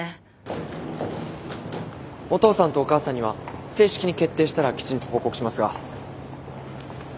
お父さんとお母さんには正式に決定したらきちんと報告しますが実はこの度。